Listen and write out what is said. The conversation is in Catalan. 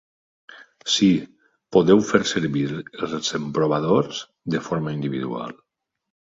Sí, podeu fer servir els emprovadors de forma individual.